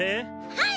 はい！